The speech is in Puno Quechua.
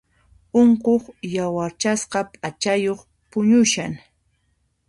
Unquq yawarchasqa p'achayuq puñushan.